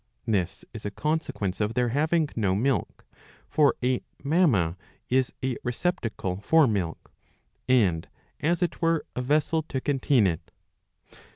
This is a consequence of their having no milk ; for a mamma is a receptacle for milk and, as it were, a vessel to contain it.